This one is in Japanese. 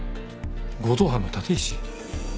強盗犯の立石。